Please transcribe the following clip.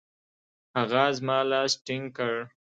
هغه زما لاس ټینګ کړ.